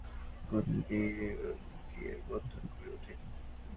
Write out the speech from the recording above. তখন থেকে দুই অঞ্চলের মধ্যে আর কোন বিয়ের-বন্ধন গড়ে উঠেনি।